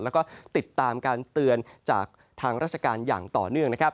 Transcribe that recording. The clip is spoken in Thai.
แล้วก็ติดตามการเตือนจากทางราชการอย่างต่อเนื่องนะครับ